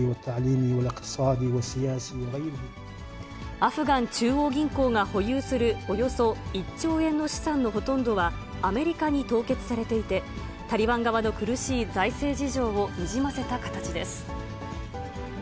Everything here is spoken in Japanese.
アフガン中央銀行が保有するおよそ１兆円の資産のほとんどは、アメリカに凍結されていて、タリバン側の苦しい財政事情をにじませた形です。